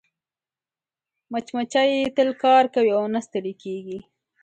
مچمچۍ تل کار کوي او نه ستړې کېږي